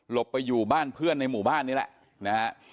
ไปอยู่บ้านเพื่อนในหมู่บ้านนี่แหละนะฮะ